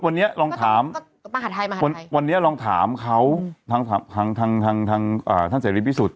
วันนี้ลองถามวันนี้ลองถามเขาทางทางท่านเสรีพิสุทธิ